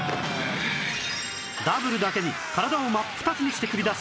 Ｗ だけに体を真っ二つにして繰り出す